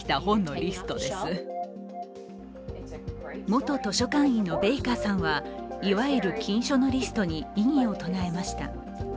元図書館員のベイカーさんはいわゆる禁書のリストに異議を唱えました。